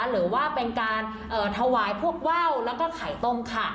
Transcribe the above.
หรือว่าเป็นการถวายพวกว่าวแล้วก็ไข่ต้มค่ะ